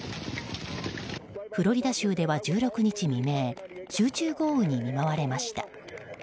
フロリダ州では１６日未明集中豪雨に見舞われました。